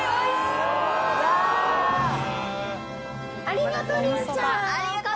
ありがとうございますやった！